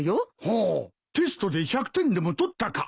ほうテストで１００点でも取ったか？